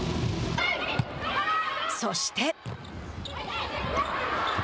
そして。